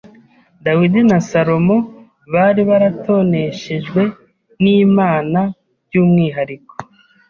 Dawidi na Salomo bari baratoneshejwe n’Imana by’umwihariko,